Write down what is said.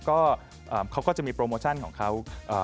ก็เขาก็จะมีโปรโมชั่นของเขา